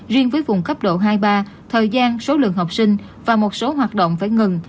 riêng với vùng cấp độ hai ba thời gian số lượng học sinh và một số hoạt động phải ngừng